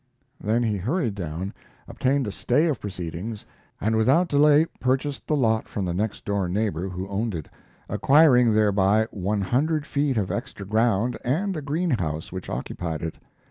Then he hurried down, obtained a stay of proceedings, and without delay purchased the lot from the next door neighbor who owned it, acquiring thereby one hundred feet of extra ground and a greenhouse which occupied it.